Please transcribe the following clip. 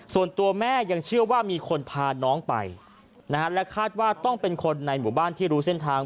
ส่วนตัวแม่ยังเชื่อว่ามีคนพาน้องไปนะฮะและคาดว่าต้องเป็นคนในหมู่บ้านที่รู้เส้นทาง